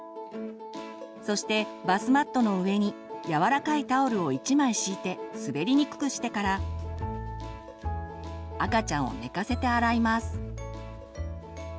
そしてバスマットの上に柔らかいタオルを１枚敷いて滑りにくくしてから赤ちゃんを寝かせて洗います。